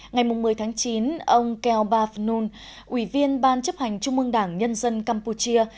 ngày một mươi chín ông kelbaf nun ủy viên ban chấp hành trung mương đảng nhân dân campuchia